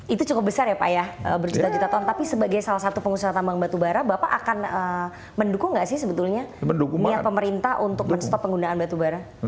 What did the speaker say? itu cukup besar ya pak ya berjuta juta ton tapi sebagai salah satu pengusaha tambang batubara bapak akan mendukung nggak sih sebetulnya niat pemerintah untuk men stop penggunaan batubara